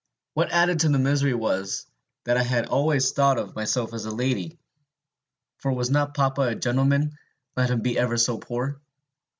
What added to the misery was, that I had always thought of myself as a lady; for was not papa a gentleman, let him be ever so poor?